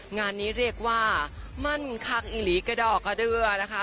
งานนี้เรียกว่ามั่นคังอิหลีกระดอกกระเดือนะคะ